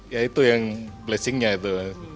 ya itu yang blessingnya itu